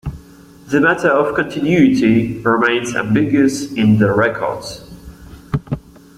The matter of continuity remains ambiguous in the records.